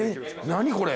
何これ。